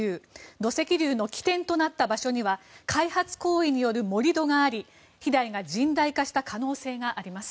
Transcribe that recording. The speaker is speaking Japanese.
土石流の起点となった場所には開発行為による盛り土があり、被害が甚大化した可能性があります。